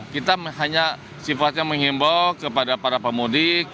kita hanya sifatnya menghimbau kepada para pemudik